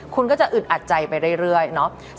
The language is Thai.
คุณก็จะอึดอัดใจไปเรื่อยเนาะ